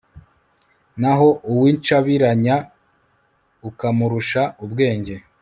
naho uw'incabiranya, ukamurusha ubwenge